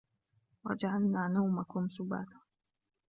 وجعلنا نومكم سباتا